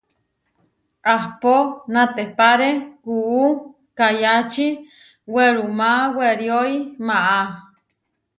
Ahpó natepáre kuú kayáči werumá weriói maá.